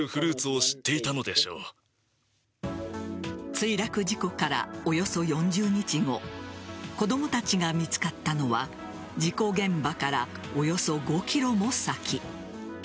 墜落事故から、およそ４０日後子供たちが見つかったのは事故現場からおよそ５ｋｍも先。